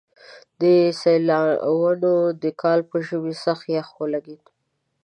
د سېلاوونو د کال په ژمي سخت يخ ولګېد.